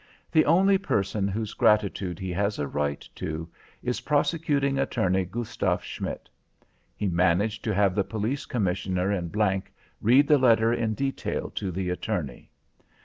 The only person whose gratitude he has a right to is Prosecuting Attorney Gustav Schmidt. He managed to have the Police Commissioner in G read the letter in detail to the attorney.